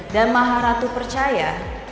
dan maharatu percaya